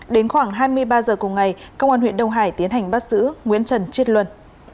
đến khoảng hai mươi ba h cùng ngày công an huyện đông hải tiến hành bắt giữ nguyễn trần chiết luân